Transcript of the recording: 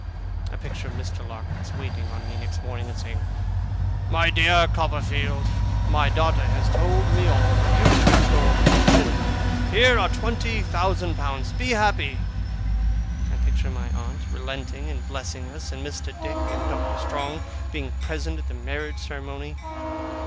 I picture Mr. Larkins waiting on me next morning, and saying, 'My dear Copperfield, my daughter has told me all. Youth is no objection. Here are twenty thousand pounds. Be happy!' I picture my aunt relenting, and blessing us; and Mr. Dick and Doctor Strong being present at the marriage ceremony.